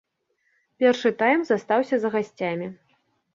Першы тайм застаўся за гасцямі.